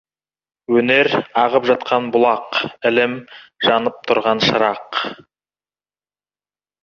Өнер — ағып жатқан бұлақ, ілім — жанып тұрған шырақ.